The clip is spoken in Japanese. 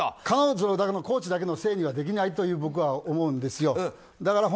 彼女やコーチだけのせいにはできないと僕は思うんですよ。